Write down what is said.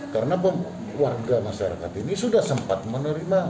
karena warga masyarakat ini sudah sempat menerima nomor antrean